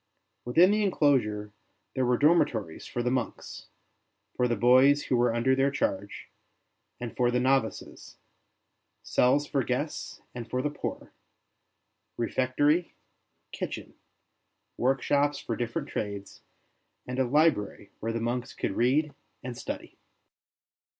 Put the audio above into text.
Within the enclosure there were dormitories for the monks, for the boys who were under their charge, and for the novices; cells for guests and for the poor; refectory, kitchen, workshops ST. BENEDICT 63 for different trades, and a library where the monks could read and study.